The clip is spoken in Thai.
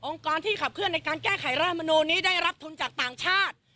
การที่ขับเคลื่อนในการแก้ไขรัฐมนูลนี้ได้รับทุนจากต่างชาติ